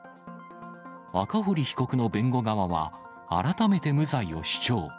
赤堀被告の弁護側は改めて無罪を主張。